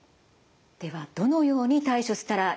ではどのように対処したらいいんでしょうか。